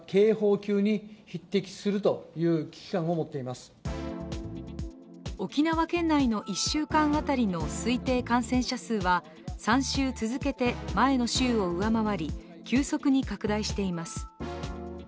昨日、沖縄の玉城知事は沖縄県内の１週間当たりの推定感染者数は３週続けて前の週を上回り、急速に拡大しています。